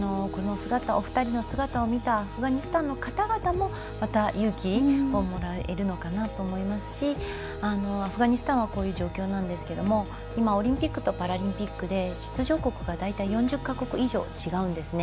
お二人の姿を見たアフガニスタンの方々もまた勇気をもらえるのかなと思いますしアフガニスタンはこういう状況なんですが今、オリンピックとパラリンピックで出場国が大体４０か国以上違うんですね。